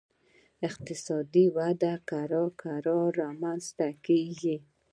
اقتصادي وده کرار کرار رامنځته کیږي